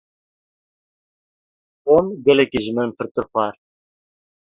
Tom gelekî ji min pirtir xwar.